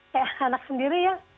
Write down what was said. kayak anak sendiri ya